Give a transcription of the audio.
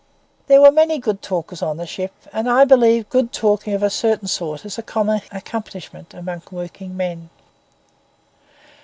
There were many good talkers on the ship; and I believe good talking of a certain sort is a common accomplishment among working men.